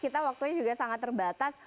kita waktunya juga sangat terbatas